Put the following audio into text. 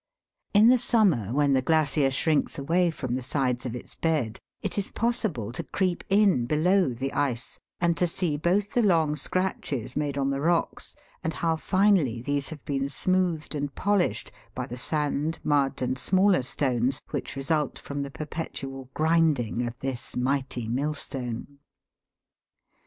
In the summer, when the glacier shrinks away from the sides of its bed, it is possible to creep in below the ice and to see both the long scratches made on the rocks and how finely these have been smoothed and polished by the sand, mud, and smaller stones, which result from the perpetual grinding of this mighty millstone.